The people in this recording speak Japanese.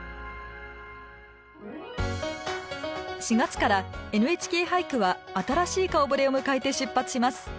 ４月から「ＮＨＫ俳句」は新しい顔ぶれを迎えて出発します。